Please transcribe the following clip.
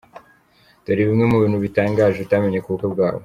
Dore bimwe mu bintu bitangaje utamenye ku bukwe bwabo.